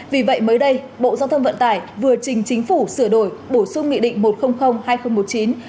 vì vậy mới đây bộ giao thông vận tải vừa trình chính phủ sửa đổi bổ sung nghị định một trăm linh hai nghìn một mươi chín